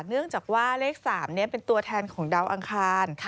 เนื่องจากว่าเลข๓เป็นตัวแทนของดาวอังคาร